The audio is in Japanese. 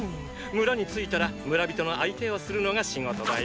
村に着いたら村人の相手をするのが仕事だよ。